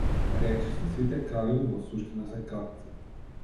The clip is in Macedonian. Речиси сите кралеви во суштина се крадци.